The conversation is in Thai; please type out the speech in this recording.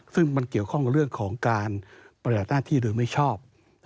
ซึ่งมันเกี่ยวข้องกับเรื่องของการปฏิบัติหน้าที่โดยไม่ชอบ